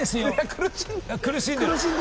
苦しんでる。